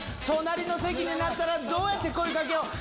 隣の席になったらどうやって声かけよう。